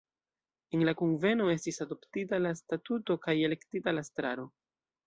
En la kunveno estis adoptita la statuto kaj elektita la estraro.